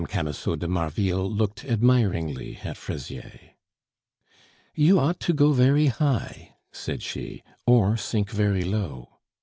Camusot de Marville looked admiringly at Fraisier. "You ought to go very high," said she, "or sink very low.